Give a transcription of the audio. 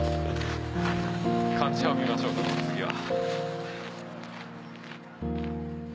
患者を診ましょうか次は。